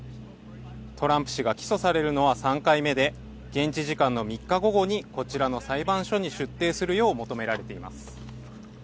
トランプ氏が起訴されるのは３回目で現地時間の３日午後にこちらの裁判所に出廷するよう求められています